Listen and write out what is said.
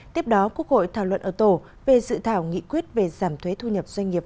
tiếp đó quốc hội thảo luận ở tổ về dự thảo nghị quyết về giảm thuế thu nhập doanh nghiệp